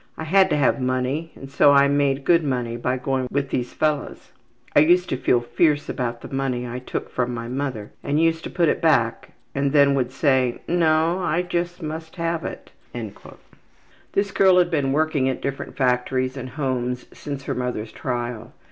I had to have money and so I made good money by going with these fellows. I used to feel fierce about the money I took from my mother and used to put it back and then would say, `No, I just must have it.' '' This girl had been working at different factories and homes since her mother's trial.